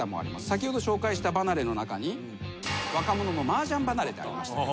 先ほど紹介した離れの中に若者のマージャン離れってありました。